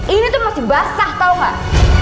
ini tuh masih basah tau gak